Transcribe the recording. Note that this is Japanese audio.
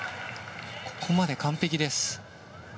ここまで完璧です。